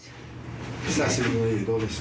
久しぶりの家どうでした？